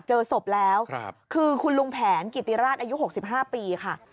เจอศพแล้วคือคุณลุงแผนกิติราชอายุ๖๕ปีค่ะ